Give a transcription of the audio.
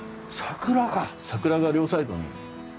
桜が両サイドに。